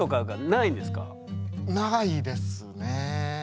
ないですね。